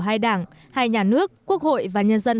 hai đảng hai nhà nước quốc hội và nhân dân